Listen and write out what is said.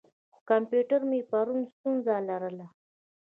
کمپیوټر مې پرون ستونزه لرله.